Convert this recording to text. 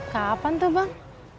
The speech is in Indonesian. kapan tuh bang